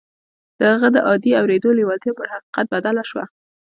د هغه د عادي اورېدو لېوالتیا پر حقیقت بدله شوه